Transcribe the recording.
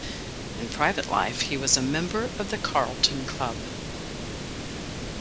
In private life he was a member of the Carlton Club.